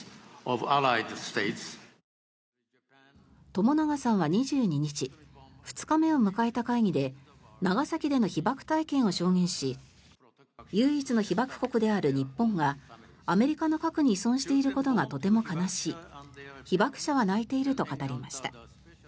朝長さんは２２日２日目を迎えた会議で長崎での被爆体験を証言し唯一の被爆国である日本がアメリカの核に依存していることがとても悲しい被爆者は泣いていると語りました。